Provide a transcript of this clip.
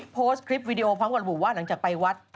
โพสต์คลิปวิดีโอพร้อมกับระบุว่าหลังจากไปวัด